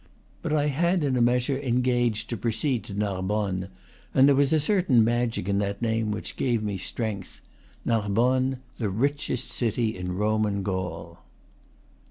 But I had in a measure engaged to proceed to Narborme, and there was a certain magic that name which gave me strength, Narbonne, the richest city in Roman Gaul.